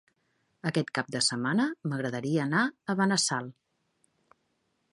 Aquest cap de setmana m'agradaria anar a Benassal.